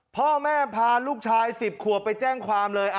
พ่อแม่พาลูกชาย๑๐ขวบไปแจ้งความเลย